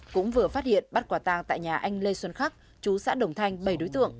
cũng vừa phát hiện bắt quả tàng tại nhà anh lê xuân khắc chú xã đồng thanh bảy đối tượng